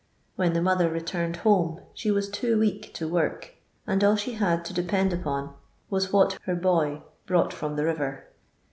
When the mother returned home she was too weak to work, and all she had to depend on was what her boy brought from the rirer.